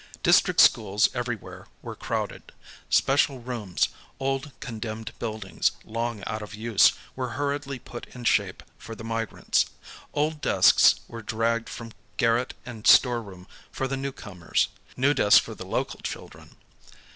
District schools everywhere were crowded. Special rooms, old con demned buildings, long out of use, were hurriedly put in shape for the migrants. Old desks were dragged from garret and storeroom for the new comers. New desks for the local children.